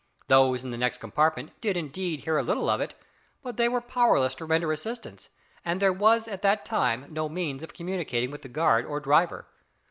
Those in the next compartment did indeed hear a little of it but they were powerless to render assistance, and there was at that time no means of communicating with the guard or driver.